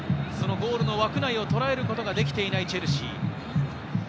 そのゴールの枠内をとらえることができていないチェルシー。